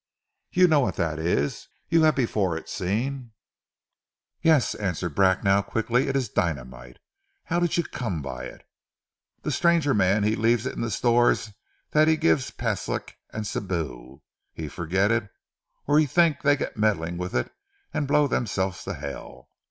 "You know what dat is? You hav' before it seen?" "Yes!" answered Bracknell quickly. "It is dynamite. How did you come by it?" "Ze stranger mans he leaves it in ze stores dat he give Paslik an' Sibou. He forget it, or he tink dey get meddling with it an' blow themselves to Hell.